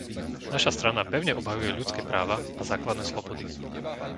Naša strana pevne obhajuje ľudské práva a základné slobody.